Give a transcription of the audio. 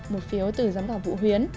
một phiếu từ giám khảo vũ huyến